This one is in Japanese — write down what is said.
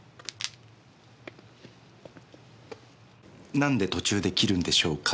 なんで途中で切るんでしょうか？